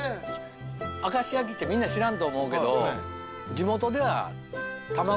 明石焼きってみんな知らんと思うけど。